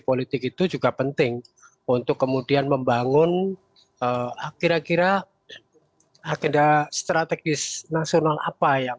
politik itu juga penting untuk kemudian membangun kira kira agenda strategis nasional apa yang